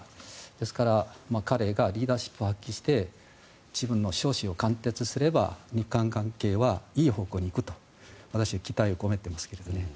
ですから彼がリーダーシップを発揮して自分の初志を貫徹すれば日韓関係はいい方向に行くと私は期待を込めていますけどね。